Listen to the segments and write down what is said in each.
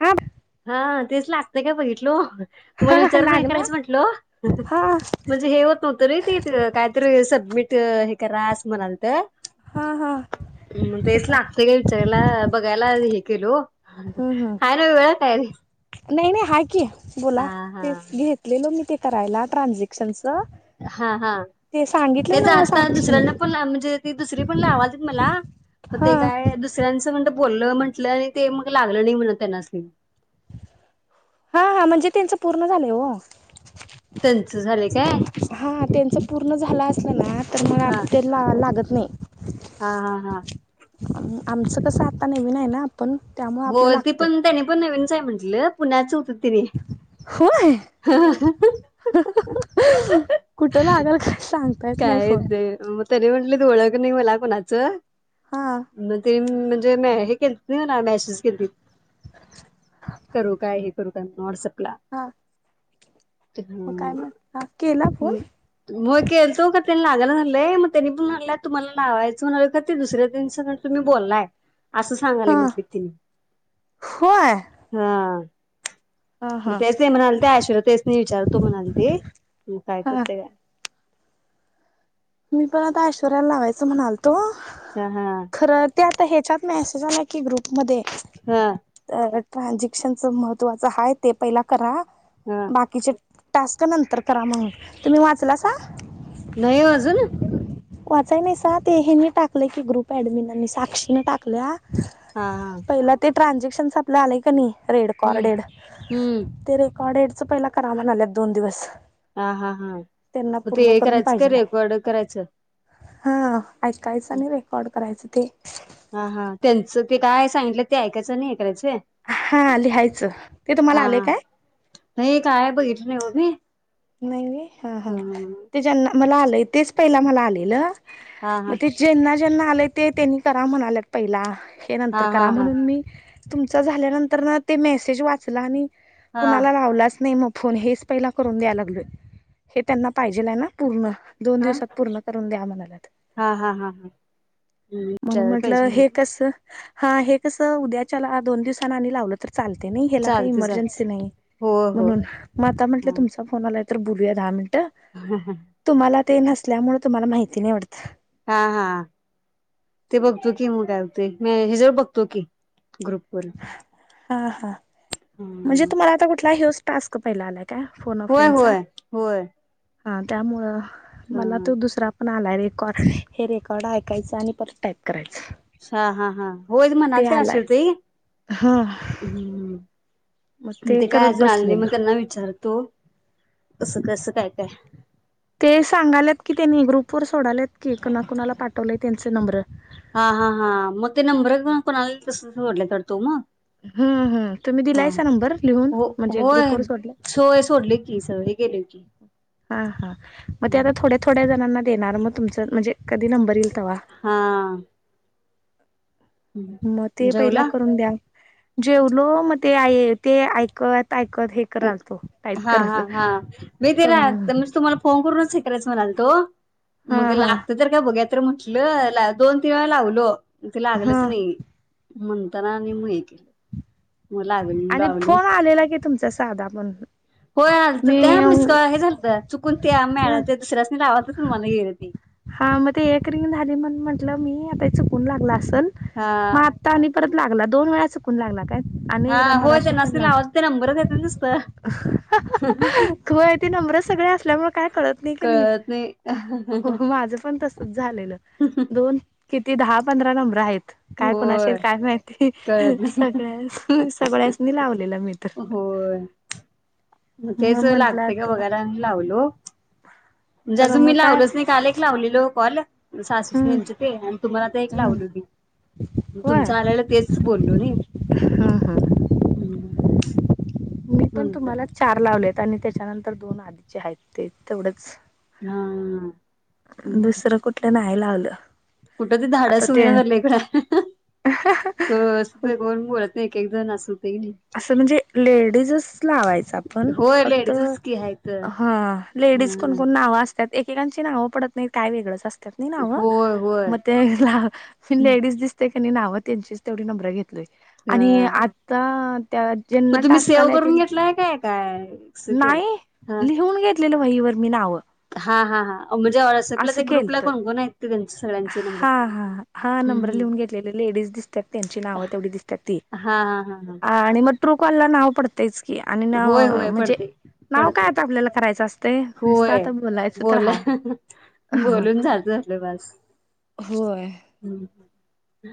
हा हा तेच लागतंय काय बघितलो तुम्हाला हा विचारून हे लागला करायच म्हटलो हा हा म्हणजे हे होत नव्हतं नई ते कायतरी सबमिट त्य हे करा अस म्हणालत हा हा मगं तेच ठीक आहे लागतय काय विचारायला बघायला हे केलो हम्म हम्म आहे ना वेळ? काय आणि नाही नाही हाय की बोला हां. तेच घेतलेलो मी ते करायला ट्रान्सिंग हा हा सांगितले तेच ना म आता साक्षीने दुसऱ्यांना पण म्हणजे ती दुसरी पण लावाजेत मला मग हा ते काय दुसऱ्यांच म्हण बोललं म्हटलं आणि ते मग लागलं नाही म्हण तेनासनी हा हा म्हणजे त्यांचं पूर्ण झालंय हो त्यांंच झालय काय? हा त्यांचं पूर्ण झालं असलं ना तर मग आप ते ला लागत नाही हा हा हा आमचं कसं आत्ता नवीन आहे ना आपण त्यामुळे हो आपलं ती लागतंय पण त्यानी पण नवीन चय म्हटलं पुण्याच होत होय ह.. ह.. कुठ लागल काय सांगत काय येतय मग तरी म्हटलं तू ओळख नाही मगला कोणाच हा न तेन म्हणजे [inaudible] [inaudible] मॅशस करू काय हे करू नोडस हा मग काय म्हट केला फोन? का त्यांनी लागाला झालंय मग त्यांनी पण म्हलंय तुम्हाला लावायचं म्हणाल का ते दुसऱ्या दि तुम्ही बोललाय असं सांगालय हा म्हटलीत तेन्ही होय हा हा मग हा तेच नाही म्हणाले ते आशर्य तेच नाही विचारतो म्हणाल ते मग काय हा करते का मी पण आता श्वराला लावायच स म्हणाल तो हा हा खरं त्यात तर ह्याच्यात मेसेज आला की ग्रुपमध्येध्ये हा ट्रानझेक्शनच महत्त्वाचं आहे ते पहिला करा हा बाकीच्या टास्क नंतर करा मगून तुम्ही वाचला स नाही कज ना वाचाय नाही सा ते हे मी टाकले की ग्रुप ऍडमिननी साक्षीने टाकल्या हा हा ट्रान्झॅक्शनस आपलं आले क का नाही रेड हम्म कॉरडेड हम्म ते रे कॉडेडचं पहिला कारा म्हणा आल्यात दोन दिवस हा हा त्यांना हा ते पूर्ण हे करून करायच पाहिजेल करेक वाड करायचं हा ऐकायचं आणि रेकॉर्ड करायचं ते हा हा त्यांचं ते काय सांगितलं ते ऐकायचं नाही करायचं होय हा लिहायचं ते हा तुम्हाला आले हा काय नाही काय नाही बघितलं होी नाही हा हा ते ज्यांना मला आलंय तेच पहिला मला आलेलं हा हा मे जेना ज्यांना आलेय ते त्यांनी करा म्हणालेत पहिला हे हा नंतर हा करा हा म्हणून मी तुमचा झाल्यानंतर ना ते मेसेज वाचला आणि हा कुणाला लावलाच नाही मग फो हेच पहिला करून द्यायला हे त्यांना पाहिजे आहे ना पूर्ण दोन हा हा दिवसात पूर्ण करून द्या म्हणालात हा हा हा हम्म म्हणून विचारायला पाहिजे म्हटलं हे म्हणून कस हा हे कसं उद्याच्या दोन दिवसांना आ लावलं तर चालते नाही हला काही चालतंय चालतंय इमर्जन्सी नाही होय होय म्हणून मग आता म्हटलं तुमचा तर बुया धा ह ते नसल्यामुळे तुम्हाला माहिती नाहीवडत हा हा ते बघतो कि मु काा ते म हिजळ बघतो की ग्रुपवर हा हा म्हणजे हम्म तुम्हाला आता कुठला ह्य टास्क पहिलाला होय होय होय हा त्यामुळं हा मला तो दुसरा- आला रेकॉर्ड हे रेकॉर्ड ऐकायचं आणि परत टाईप करायचं. हा हा हा होय म्हणालत्या ते आशार त हा मग ते 'काय करत अजून आले नाही मग बसलेलं त्यांना विचार तो असं कसं काय काय? ते सांगालेत की त्यांनी ग्रुप वर सोडालेत की कुणा कुणाला पाठवलेय त्यांच नंब्र. हा हा हा मग ते नंबर कोणला इल तस सोडल्यात वाढत ओ मग हम्म हम्म तुम्ही हा दिलायसा नंबर लिहून? हो म्हणजे ग्रुप होय व सोडलाय सोय सोडले की सगळे गेले की हा हा मग ते आता थोड्या थोड्या जणांना- देणार मग तुमच म्हणजे. कधी नंबर इल तवा. हा ह मग ते पहिला जेवला करून द्या. जेवलो मग ते ते ऐकत ऐकन. हा हा हा मी तेला कमी म्ह तुम्हाला फोन करूनच. तिकडच म्हणालतो. हा मग हा लागत तर काय बघा. म्हटलं दोन तीन वेळा लावलो. त हा लागलच नाही. म्हणताना आणि मग हे केलं. मग लागल आणि लावलो फोन आलेला की तुमचा साधा- आपण हो आलत त्या मिसकाल हे झालत चुकून. मी आता दुसऱ्याच नाही. अत समान येईल ती हा मग ते एक रिंग झाली म्हणुन म्हटलं मी आता चुकून लागला अस चल म हा आता आणि परत लागला दोन वेळा चुक चुकुन लागला काय? आणि हा एकदा होय मगाशी पण त्यांनासनी लावालत ते नंबरच येत लागल नुसतं होय ती नम्र सगळे असल्यामुळे काय कळत नाही क नी. कळत नाही हो माझं पण तसच झालेलं दोन- किती दहा पंधरा नंबर आहेत. काय कुणाशी होय काय माहिती कळत नाही सगळ्या सगळ्यास्नी लावलेला मी तर- होय मग तेच लागतय का म्हंटलात बघायला अन् लावलो. म्हणजे तर अजुन मग मी काय लावलोचं नाय काल एक लावलेलो. कॉलं सासूस हम्म आमचे ते अन् तुम्हाला आता एक हम्म लावलो मी म होय तुमच आल्यालं तेच बोललो नी हम्म हम्म हम्म मी पण म्हणुन तर तुम्हाला चार लावलेत आणि त्याच्या नंतर दोन आधीचे हाईत ते तेवढंच हा नाय लावलं. कुठं ते आता धाडस होई ते ना तर लेकडा हो असतं गोल मुळतं एक एकजन असु असं म्हणजे लेडीजच लावायचं आपण होय फक्त लेडीजच की आहेत हं लेडीज कोण ह कोण नावं असतात एकेकांची नावं पडत नही काय वेगळंच अस त्यास्नी नावं होय होय म ते लेडीज दिसते. त्यांनी नावं त्यांचीच तेवढी नंब्र घेतलय. आणि अ आता ज्यांना मग तुम्ही सेव करून घेतलाय काय? काय? असं केलं नाहीं हा लिहुन घेत लेल वही वर मी नावं. हा हा हा म्हणजे व्हॉट्सअपला अस ते ग्रुपला केलंत कोण कोण आहेत ते त्यांचे सगळ्यांचे नंबर हा हा हा नंब्र हम्म हम्म लिहून घेतलेले लेडीज दिसतात त्यांची नाव तेवढी दिसतात ती हा हा हा हा आ आणि मग ट्रू कॉल ला नाव पडतयेच. कि आणि नाव होय होय म्हणजे पडते नाव काय पडते आता आपल्याला करायचं असतय नुसतं होय आता बोलायचं तर हाय. बोलुन झालतं आपलं बस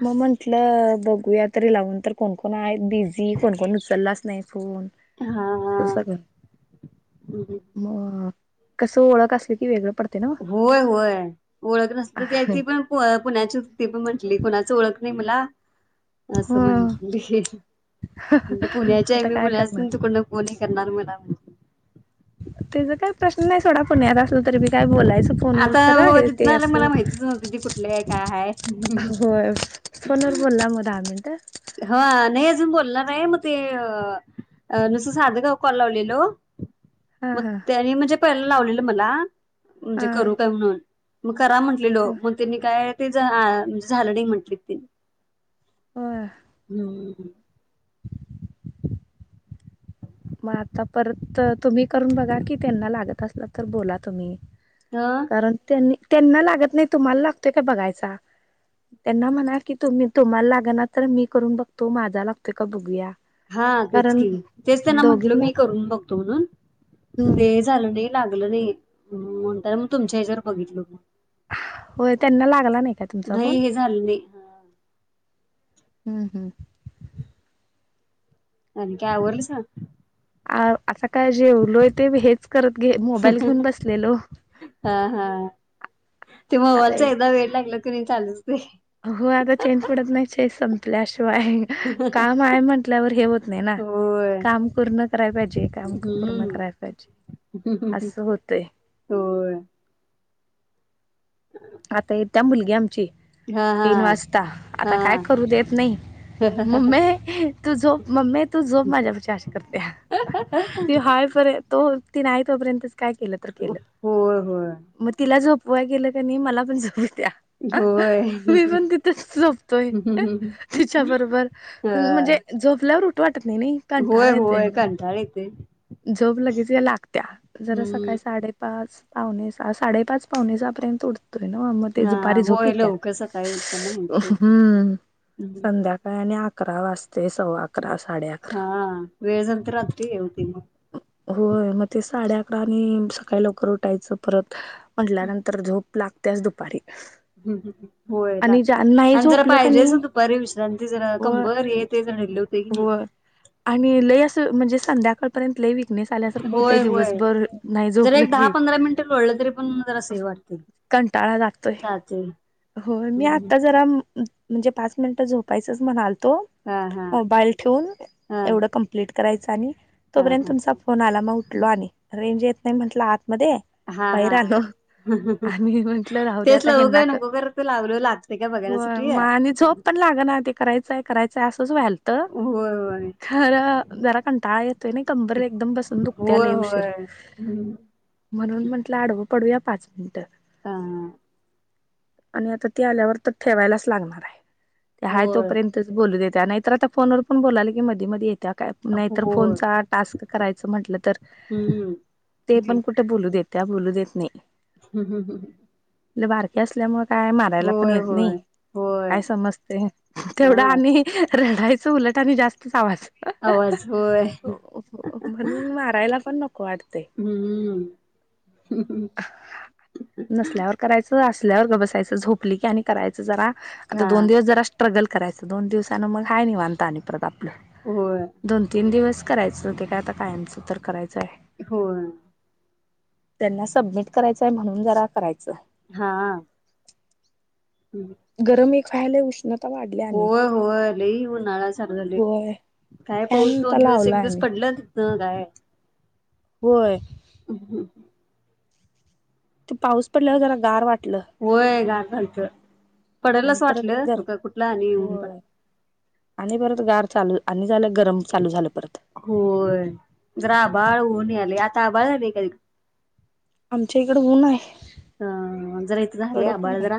म म्हंटलं बघुया तरी लाऊन तर कोणकोण आहेत बिझी कोणकण उचललाच नाही फोन हा हा असग म कसं ओळख असली की वेगळं पडते ना होय होय ओळख नसते त्या ती पण पु पुण्याची ती पण म्हटली कुणाच ओळख नही मला ह असं म्हटले पुण्याच्या आहे आता मी काय पुण्या करणार असुन तुकडनं फोनही करणार मला म्हटलं त्याचा काय प्रश्न नाही सोडा पुण्यात असल तरी मी काय बोला फोनवर आता तर हो हे तिथनं ते आलं अस मला माहितीच नव्हती ती कुठली आहे काय आहे होय फोन वर बोलला मग दहा मिनट हा नाही अजून बोललो नाही मग ते नुसंत साधगाव कॉल लावलेलो हा मग हा त्यानी म्हणजे पयला लावले मला म्हणजे हा करू काय म्हणून मग करा म्हटलेलो ह पण त्यांनी काय ते ज म्हणजे झालं नाही म्हंटली ति होय हम् मग आता परत तुम्ही करून बघा कि त्यांना लागत असल तर बोला तुम्ही ह कारण त्यांनी त्यांना लागत नाही तुम्हाला लागतोय का बघायचा त्यांना म्हणा की तुम्ही तुम्हाला लाग ना तर मी करून बघतो माझा लागतोय का बघूया हा कारण तेचकी तेच त्यांना म्हंटल दोघींना मी करून बघतो म्हणून हम्म ते झालं नाही लाग नाही म्हणता मग तुमच्या ह्याच्यावर बघितलो होय त्यांना लागला नाही का तुमचा फोन नाही हे झाले नाही हम्म हम्म काय आवरलीस अ असा काय जेवलोय ते हेच करत घे मोबाईल घेऊन बसलेलो हा हा ते आता मोबालचा एक एकदा वेड लागला की नाही चालूचेय हो आता चेन पडत नाही चे संपल्या शिवाय काम आहे म्हंटल्यावर हे होत नाही ना होय काम पूर्ण कराय पाहिजे काम पूर्ण हम्म कराय पाहिजे अस होतय होय आता त्या मुलग्यामची हा हा तीन वाजता आता हा काय करू देत नाही मम्मे तू झोप मम्मी तू झोप माझ्यापाशी अशी करत्या तू हाय परयंत तो ती नाही तोपर्यंत काय केलं तर के होय होय मग तिला ज व गेलं त्यांनी मला पण जाऊ होय मी पण तिथेच झोपतोय तिच्या बरोबर म्हणजे हा झोपल्यावर नाही नाही होय कंटाळा येते होय कंटाळ येतोय जप लगेच या लागत्या जरा हम्म सकाळी साडेपाच पाहणेचा साडेपाच पाहणेचापर्यंत त मग ते हा दुपारी झोपी होय त्या लवकर सकाळी उठताना हे होतंय हम् संध्याकाळ आणि आ अकरा वाजते सवा हा वेळ झाल तर रात्री ये होती होय मग ते साडे आणि सकाळी लवकर उठायचं परत म्हटल्यानंतर झोप लागते्याच दुपारी हम होय आणि ज्या लाग नाही आणि जरा झोपलं का पाहिजेच नाही दुपारी विश्रांती जरा व कंबर आहे ते जणले होते कि नाही व आणि लय असं म्हणजे संध्याकाळपर्यंत लई होय होय जर झोपलं एक दहा की पंधरा मिनट लढलं तरी पण जरा असे वाटतील टाळा जातोय हो मी आता जरा म्हणजे पाच मिनिट झोपायचंच म्हणाल तो हा हा बाईल ठेवून हा एवढं कमप्लीट करायचं आणि हा तोपर्यंत हा तुमचा फोन आला मग उठलो आणि रेंज नाही म्हटलं आ मध्ये हा बाहिर हा आलो आम्ही म्हंटलं राहू द्या तेच आता लावू हेना काय क नको खरं ते लावलं लागतंय का हो बघण्यासाठी होय आणि झोप पण लाग ना ते करायचंय करायचंय अस वलत होय खर जरा कंटाळा येतोय ना कंबर एकदम बसून दुखते होय आले उशीर होय म्हणून म्हटलं आडव पडूया पाच मिनटं हा आणि आता तेी आल्यावर तर ठेवायलाच लागणार आहे ते हाय होय तोपर्यंतच बोलू दे त्या नाहीतर आता फोनवर पण बोला की मी मध्ये येत काय नाहीतर होय फोनचा टास्क करायच म्हटलं तर हम्म ते हम्म पण कुठे बोलू देत त्या बोलू देत नाही हम् हम ह बारक्या असल्यामुळे काय मारायला पण येत नाही होय होय काय समजते हा तेवढं आणि रढायचं उलट आणि जास्तच आवाज आवाज होय म्हणून मारायला पण नको वाटते. हम्म नसल्यावर करायचं. असल्यावर गप बसायचं झोपली की आणि करायचं जरा. आता का दोन दिवस जरा स्ट्रगल करायचं दोन दिवसान मगा हाय निवांत आणि परत आपलं होय दोन तीन दिवस करायचं ते काय आता कायचं तर करायचं आहे. होय त्यांना सबमिट करायचंय म्हणून जरा करायचं. हा गरम एक खायले उष्ण होय होय लई उन्हाळा चालू झाले होय काय पाऊस फॅन तर दोन दिवस लावला एक दिवस आणि पडलंत ह काय. होय. [inaudible] ते पाऊस पडल्यावर जरा गार वाट होय [unintelligible] आणि परत वाटलं जर का कुठलं आणि ऊन पडाल होय आणि परत गार चालू आणि झालं गरम चालू झालं परत होय जरा आभाळ होऊन याले आत ता आभाळ आलय का ति आमच्या इकड ऊन आहे. तिकडं अ जरा इथं झालय कडक ऊन आबाळ आहे जरा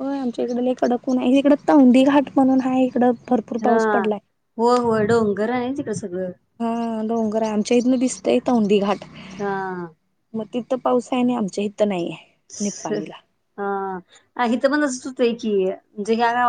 होय आमच्या इकड लई कडक ऊन इकडं तोंदि घाट म्हणून हा इकडं भरपूर हा पाऊस पडलाय. होय होय डोंगर आहे ना तिकड सगळं. हा डोंगर आहे आमच्या इथनं दिसतय तोंदि घाट. हा मग तिथं पाऊस आहे आणि आमच्या इथं तर नाहीय निप्पाणीला. हा इथं पण असत होत की [unintelligible]